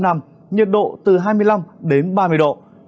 nhiệt độ từ hai mươi năm ba mươi độ